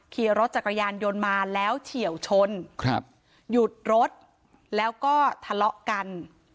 ขี่รถจักรยานยนต์มาแล้วเฉียวชนครับหยุดรถแล้วก็ทะเลาะกัน